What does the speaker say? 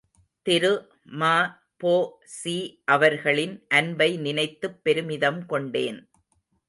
திரு ம.பொ.சி.அவர்களின் அன்பை நினைத்துப் பெருமிதம் கொண்டேன்.